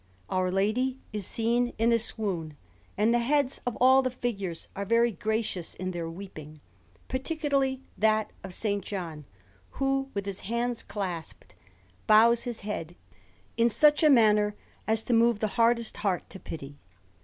Our Lady is seen in a swoon; and the heads of all the figures are very gracious in their weeping, particularly that of S. John, who, with his hands clasped, bows his head in such a manner as to move the hardest heart to pity.